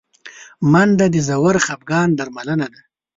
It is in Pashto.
منډه د ژور خفګان درملنه ده